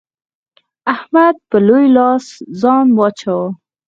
احمد په لوی لاس ځان واچاوو.